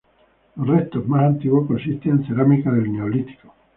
Los restos más antiguos consisten en cerámica del neolítico.